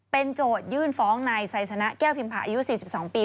โจทยื่นฟ้องนายไซสนะแก้วพิมพาอายุ๔๒ปี